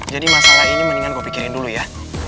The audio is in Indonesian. jadi masalah ini mendingan gue pikirin dulu ya